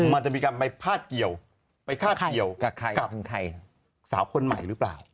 มันจะไปผ้าเกี่ยวกับสาวคนใหม่หรือเปล่า